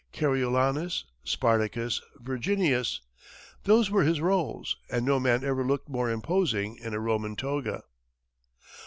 Coriolanus, Spartacus, Virginius those were his roles, and no man ever looked more imposing in a Roman toga.